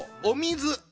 お水。